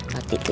roti itu ya